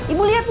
ibu hujan siap